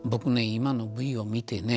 今のＶを見てね